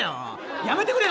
やめてくれよ！